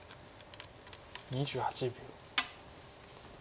２８秒。